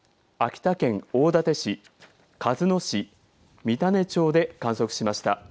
秋田県大館市鹿角市、三種町で観測しました。